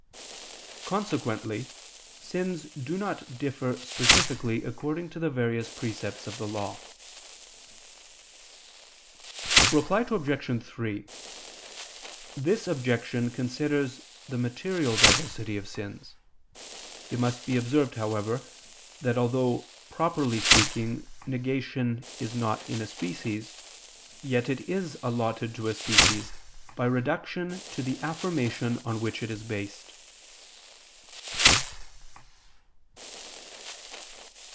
Consequently sins do not differ specifically according to the various precepts of the Law. Reply Obj. 3: This objection considers the material diversity of sins. It must be observed, however, that although, properly speaking, negation is not in a species, yet it is allotted to a species by reduction to the affirmation on which it is based.